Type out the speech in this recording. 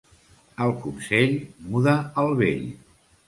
El consell muda al vell.